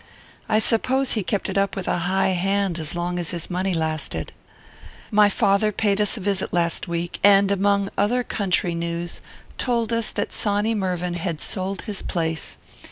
I suppose he kept it up with a high hand, as long as his money lasted. "My lather paid us a visit last week, and, among other country news, told us that Sawny Mervyn had sold his place.